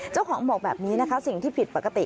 เจ้าของบอกแบบนี้นะคะสิ่งที่ผิดปกติ